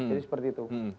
jadi seperti itu